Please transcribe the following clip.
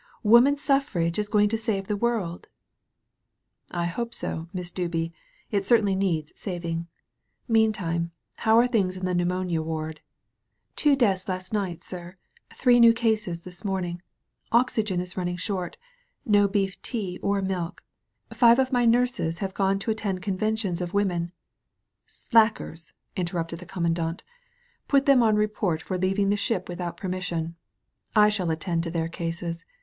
Woman Suffrage is going to save the world." "I hope so. Miss Dooby, it certainly needs sav ing. Meantime how are things in the pneumonia waid?" "Two deaths last night, sir, three new cases this morning. Oxygen is running short: no beef tea or milk. Five of my nurses have gone to attend conventions of woman " "Slackers," interrupted the Commandant. "Put £12 THE NEW ERA them on report for leaving the ship without per mission. I shall attend to their cases.